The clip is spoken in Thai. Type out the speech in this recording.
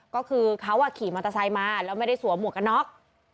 ก็คือเขาขี่มอเตอร์ไซค์มาแล้วไม่ได้สวมหมวกกันน็อก